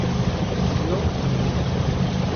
Se crió en Verín.